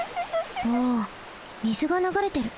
お水がながれてる。